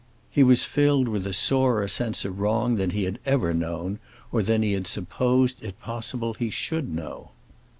He was filled with a sorer sense of wrong than he had ever known, or than he had supposed it possible he should know.